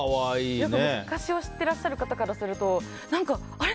昔を知ってらっしゃる方からするとあれ？